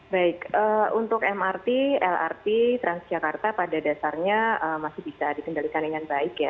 baik untuk mrt lrt transjakarta pada dasarnya masih bisa dikendalikan dengan baik ya